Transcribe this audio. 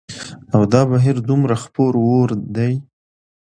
او دا بهير دومره خپور وور دى